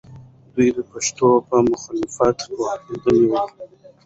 دوی د پښتنو په مخالفت پوهېدلې وو.